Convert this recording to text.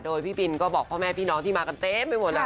โดยพี่บินก็บอกพ่อแม่พี่น้องที่มากันเต็มไปหมดแล้ว